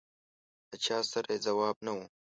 له چا سره یې ځواب نه و.